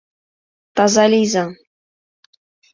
Таза лийза!